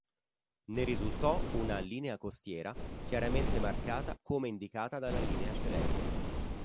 Ne risultò una "linea costiera" chiaramente marcata come indicata dalla linea celeste.